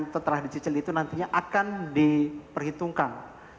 apakah yang telah dicicil itu nantinya akan diperhitungkan